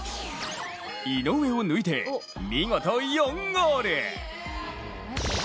井上を抜いて見事４ゴール。